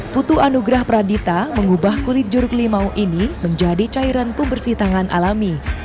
putu anugrah pradita mengubah kulit jeruk limau ini menjadi cairan pembersih tangan alami